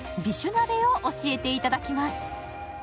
鍋を教えていただきます。